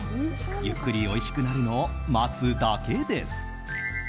ゆっくりおいしくなるのを待つだけです。